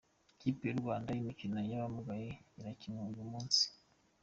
Ikipe y’u Rwanda y’imikino y’abamugaye irakirwa uyu munsi